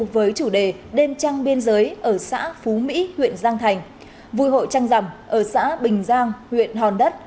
với chủ đề đêm trăng biên giới ở xã phú mỹ huyện giang thành vui hội trăng rằm ở xã bình giang huyện hòn đất